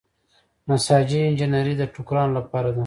نساجي انجنیری د ټوکرانو لپاره ده.